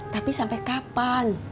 tapi sampai kapan